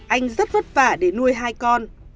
anh rất vất vả để nuôi hai con